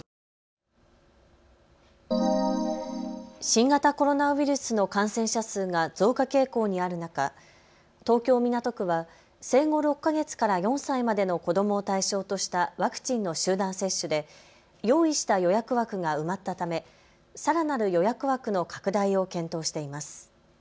新型コロナウイルスの感染者数が増加傾向にある中、東京港区は生後６か月から４歳までの子どもを対象としたワクチンの集団接種で用意した予約枠が埋まったためさらなる予約枠の拡大を検討しています。